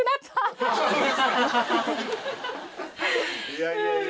いやいや。